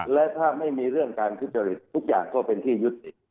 และถ้าไม่มีเรื่องการทุจริตทุกอย่างก็เป็นที่ยุติ